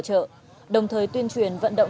chợ đồng thời tuyên truyền vận động